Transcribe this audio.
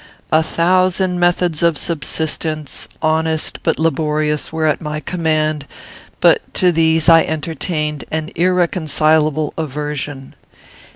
A thousand methods of subsistence, honest but laborious, were at my command, but to these I entertained an irreconcilable aversion.